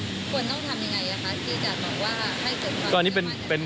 ควรต้องทำยังไงอ่ะคะสีจัดบอกว่าให้เกิดความเชื่อมั่น